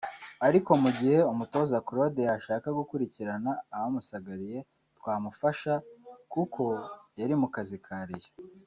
ariko mu gihe umutoza Claude yashaka gukurikirana abamusagariye twamufasha kuko yari mu kazi ka Rayon”